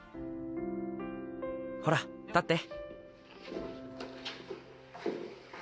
ほら立って。